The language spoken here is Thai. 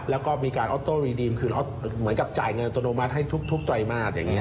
แล้วก็มีการออโต้รีดีมคือเหมือนกับจ่ายเงินอัตโนมัติให้ทุกไตรมาสอย่างนี้